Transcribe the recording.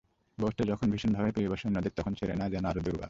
বয়সটা যখন ভীষণভাবেই পেয়ে বসে অন্যদের, তখন সেরেনা যেন আরও দুর্বার।